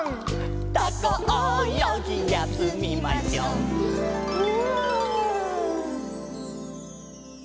「タコおよぎやすみましょうフ」